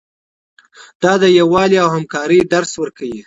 دا د یووالي او همکارۍ درس ورکوي.